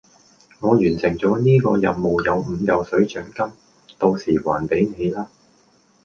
我完成咗呢個任務有五嚿水獎金，到時還俾你啦